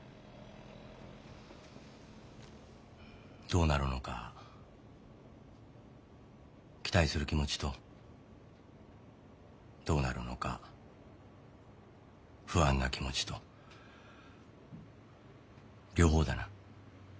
どうなるのか期待する気持ちとどうなるのか不安な気持ちと両方だな。